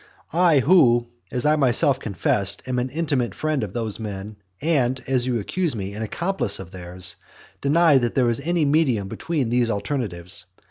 I who, as I myself confess, am an intimate friend of those men, and, as you accuse me, an accomplice of theirs, deny that there is any medium between these alternatives.